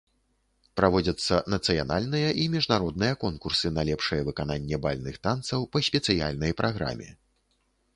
Праводзяцца нацыянальныя і міжнародныя конкурсы на лепшае выкананне бальных танцаў па спецыяльнай праграме.